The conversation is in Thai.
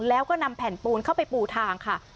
แล้วก็นำแผ่นปูนเข้าไปปูทางค่ะ